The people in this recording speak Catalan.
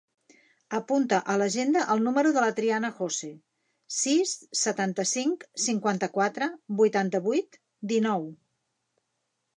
Apunta a l'agenda el número de la Triana Jose: sis, setanta-cinc, cinquanta-quatre, vuitanta-vuit, dinou.